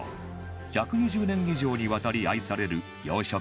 １２０年以上にわたり愛される洋食の老舗